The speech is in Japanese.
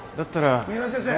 三浦先生。